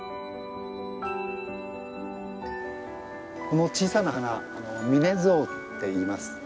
この小さな花ミネズオウっていいます。